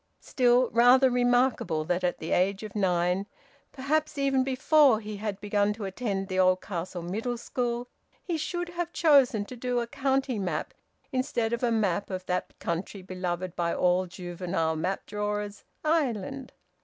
... Still, rather remarkable that at the age of nine (perhaps even before he had begun to attend the Oldcastle Middle School) he should have chosen to do a county map instead of a map of that country beloved by all juvenile map drawers, Ireland!